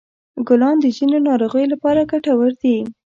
ګلان د ځینو ناروغیو لپاره ګټور دي.